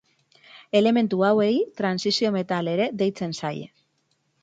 Elementu hauei trantsizio-metal ere deitzen zaie.